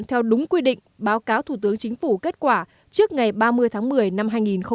theo đúng quy định báo cáo thủ tướng chính phủ kết quả trước ngày ba mươi tháng một mươi năm hai nghìn một mươi chín